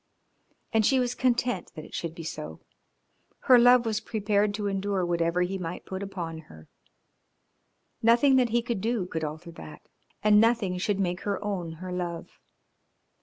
And she was content that it should be so, her love was prepared to endure whatever he might put upon her. Nothing that he could do could alter that, and nothing should make her own her love.